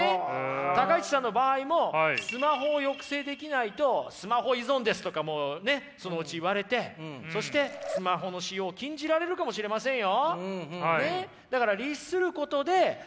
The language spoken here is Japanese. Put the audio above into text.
高市さんの場合もスマホを抑制できないと「スマホ依存です」とかもうねそのうち言われてそしてスマホの使用を禁じられるかもしれませんよ。